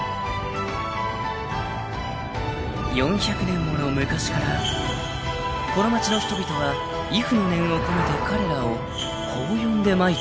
［４００年もの昔からこの町の人々は畏怖の念を込めて彼らをこう呼んでまいったのです］